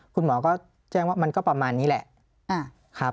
คุณหมอก็แจ้งว่ามันก็ประมาณนี้แหละ